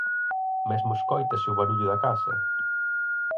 Mesmo escóitase o barullo da casa!